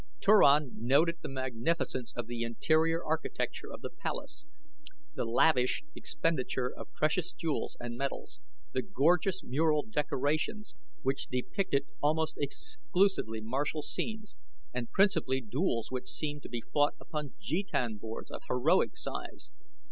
Turan noted the magnificence of the interior architecture of the palace, the lavish expenditure of precious jewels and metals, the gorgeous mural decorations which depicted almost exclusively martial scenes, and principally duels which seemed to be fought upon jetan boards of heroic size.